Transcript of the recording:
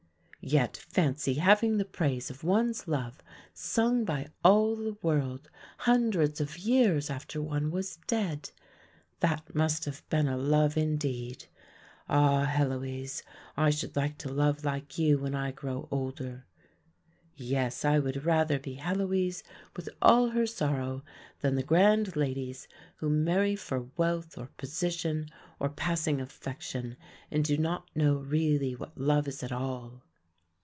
Yet fancy having the praise of one's love sung by all the world hundreds of years after one was dead! That must have been a love indeed. Ah, Heloise, I should like to love like you when I grow older. Yes, I would rather be Heloise with all her sorrow than the grand ladies who marry for wealth or position or passing affection and do not know really what love is at all.